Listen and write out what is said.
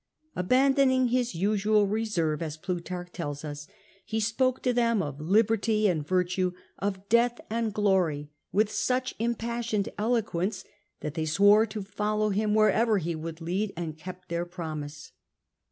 Abandoning his usual reserve, as Plutarch tells us, he spoke to them of liberty and virtue, of death and glory, with such im passioned eloquence, that they swore to follow wherever he would lead, and kept their promise.